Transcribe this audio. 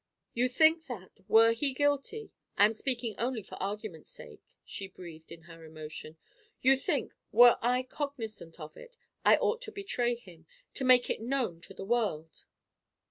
"You think that, were he guilty I am speaking only for argument's sake," she breathed in her emotion, "you think, were I cognizant of it, I ought to betray him; to make it known to the world?"